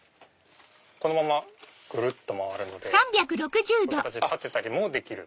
このままぐるっと回るのでこういう形で立てたりもできる。